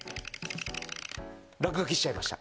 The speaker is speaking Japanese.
落書きしちゃいました。